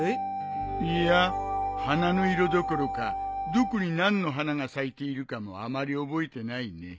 いや花の色どころかどこに何の花が咲いているかもあまり覚えてないね。